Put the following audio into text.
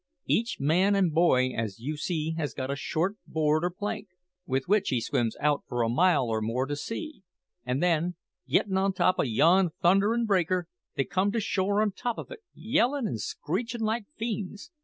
Each man and boy, as you see, has got a short board or plank, with which he swims out for a mile or more to sea, and then, gettin' on the top o' yon thunderin' breaker, they come to shore on the top of it, yellin' and screechin' like fiends.